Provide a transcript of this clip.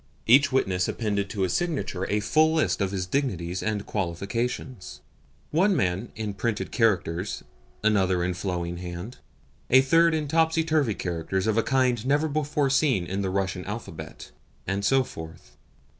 Each such witness appended to his signature a full list of his dignities and qualifications: one man in printed characters, another in a flowing hand, a third in topsy turvy characters of a kind never before seen in the Russian alphabet, and so forth.